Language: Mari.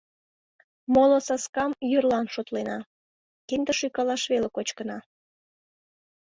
Моло саскам йӧрлан шотлена, кинде шӱкалаш веле кочкына.